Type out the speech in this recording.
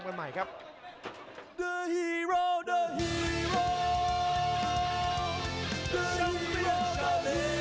ประเภทมัยยังอย่างปักส่วนขวา